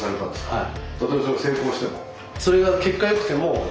はい。